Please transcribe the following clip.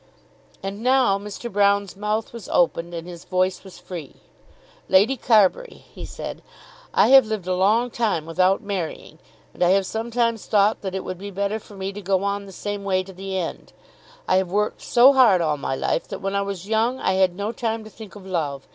And now Mr. Broune's mouth was opened, and his voice was free. "Lady Carbury," he said, "I have lived a long time without marrying, and I have sometimes thought that it would be better for me to go on in the same way to the end. I have worked so hard all my life that when I was young I had no time to think of love.